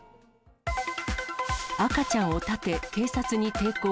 赤ちゃんを盾、警察に抵抗。